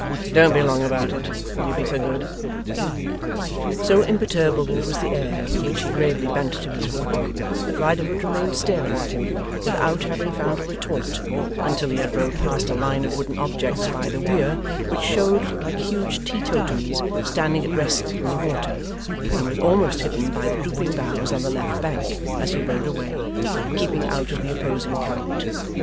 Don't be long about it; will you be so good?' So imperturbable was the air with which he gravely bent to his work that Riderhood remained staring at him, without having found a retort, until he had rowed past a line of wooden objects by the weir, which showed like huge teetotums standing at rest in the water, and was almost hidden by the drooping boughs on the left bank, as he rowed away, keeping out of the opposing current.